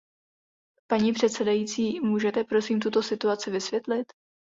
Paní předsedající, můžete prosím tuto situaci vysvětlit?